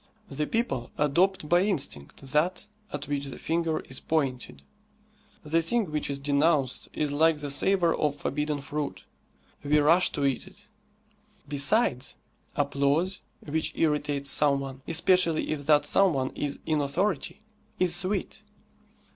The people adopt by instinct that at which the finger is pointed. The thing which is denounced is like the savour of forbidden fruit; we rush to eat it. Besides, applause which irritates some one, especially if that some one is in authority, is sweet.